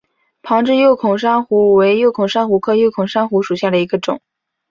旁枝轴孔珊瑚为轴孔珊瑚科轴孔珊瑚属下的一个种。